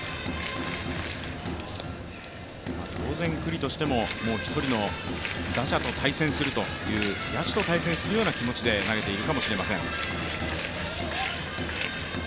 当然、九里としても、１人の打者と対戦する、野手と対戦するような気持ちで投げているかもしれません。